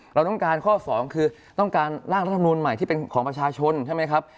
เราต้องการข้อ๒คือต้องการร่างรัฐมนูลใหม่ที่เป็นของประชาชนใช่ไหมครับ